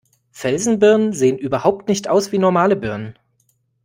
Felsenbirnen sehen überhaupt nicht aus wie normale Birnen.